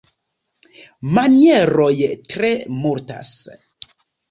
Manieroj tre multas.